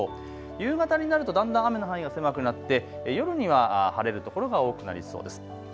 夕方になるとだんだん雨の範囲が狭くなって夜には晴れる所が多くなりそうです。